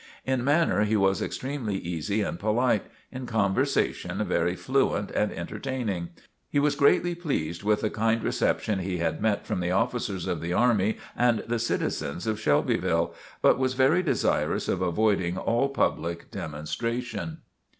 In manner he was extremely easy and polite; in conversation very fluent and entertaining. He was greatly pleased with the kind reception he had met from the officers of the army and the citizens of Shelbyville, but was very desirous of avoiding all public demonstration.